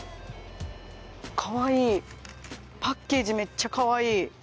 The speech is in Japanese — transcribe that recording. かわいいパッケージめっちゃかわいい。